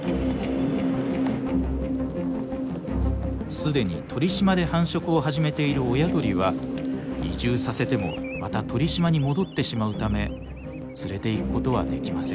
すでに鳥島で繁殖を始めている親鳥は移住させてもまた鳥島に戻ってしまうため連れていくことはできません。